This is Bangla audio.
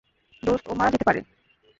দোস্ত, ও মারা যেতে পারে।